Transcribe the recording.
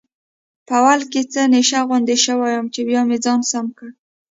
په اول کې څه نشه غوندې شوی وم، چې بیا مې ځان سم کړ.